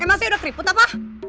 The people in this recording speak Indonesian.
emang saya udah keriput apa